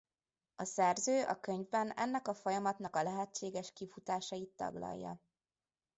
A szerző a könyvben ennek a folyamatnak a lehetséges kifutásait taglalja.